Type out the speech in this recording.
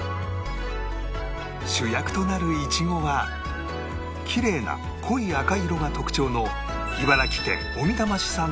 主役となるイチゴはきれいな濃い赤色が特徴の